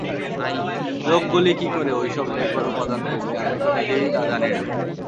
লোকগুলি কি করে ঐসব লেখবার উপাদান পেলে, আমি তো নিজেই তা জানি না।